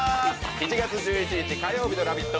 ７月１１日火曜日の「ラヴィット！」